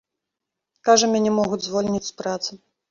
Кажа, мяне могуць звольніць з працы.